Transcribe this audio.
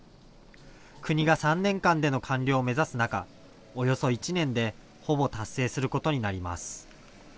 国が３年間での完了を目指す中、およそ１年でほぼ達成することになります。